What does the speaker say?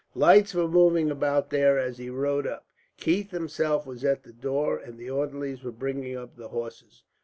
Lights were moving about there as he rode up. Keith himself was at the door, and the orderlies were bringing up the horses.